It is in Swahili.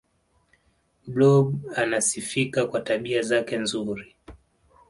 blob anasifika kwa tabia zake nzuri